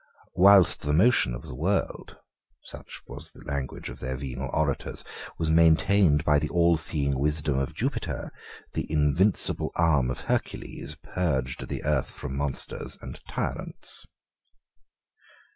Whilst the motion of the world (such was the language of their venal orators) was maintained by the all seeing wisdom of Jupiter, the invincible arm of Hercules purged the earth from monsters and tyrants.